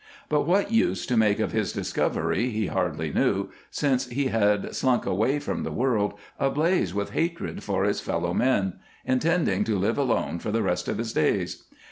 But what use to make of his discovery he hardly knew, since he had slunk away from the world, ablaze with hatred for his fellow men, intending to live alone for the rest of his days.